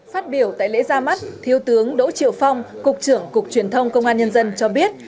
phát biểu tại lễ ra mắt thiếu tướng đỗ triệu phong cục trưởng cục truyền thông công an nhân dân cho biết